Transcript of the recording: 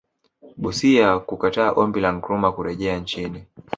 Busia kukataa Ombi la Nkrumah kurejea nchini